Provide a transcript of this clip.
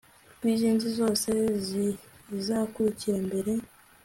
rw'izindi zose zizakurikira mbere